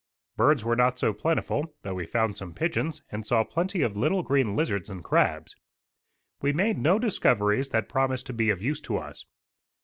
Birds were not so plentiful, though we found some pigeons, and saw plenty of little green lizards and crabs. We made no discoveries that promised to be of use to us.